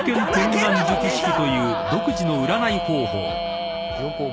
［という独自の占い方法］